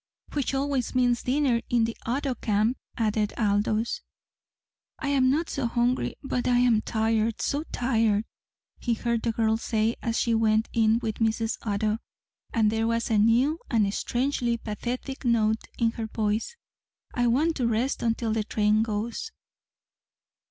"Which always means dinner in the Otto camp," added Aldous. "I'm not so hungry, but I'm tired so tired," he heard the girl say as she went in with Mrs. Otto, and there was a new and strangely pathetic note in her voice. "I want to rest until the train goes."